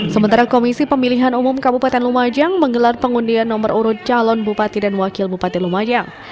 sementara komisi pemilihan umum kabupaten lumajang menggelar pengundian nomor urut calon bupati dan wakil bupati lumajang